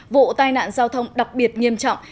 vụ tai nạn giao thông đặc biệt nghiêm trọng